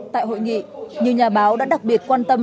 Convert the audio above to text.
tại hội nghị nhiều nhà báo đã đặc biệt quan tâm